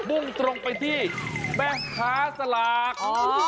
บงไปที่แม่ค้าสราก